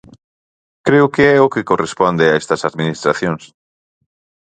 Creo que é o que corresponde a estas administracións.